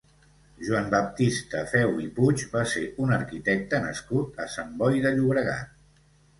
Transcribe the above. Joan Baptista Feu i Puig va ser un arquitecte nascut a Sant Boi de Llobregat.